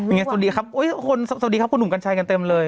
ยังไงสวัสดีครับสวัสดีครับคุณหนุ่มกัญชัยกันเต็มเลย